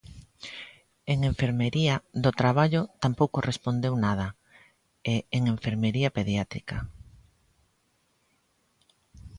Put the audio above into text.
En enfermería do traballo tampouco respondeu nada, e en enfermería pediátrica.